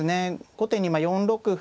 後手に４六歩。